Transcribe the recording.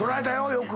よく。